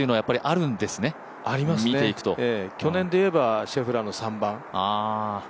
ありますね、去年でいえばシェフラーの３番。